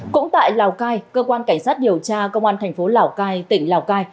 cũng tại lào cai cơ quan cảnh sát điều tra công an thành phố lào cai tỉnh lào cai